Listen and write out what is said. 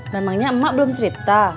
memangnya emak belum cerita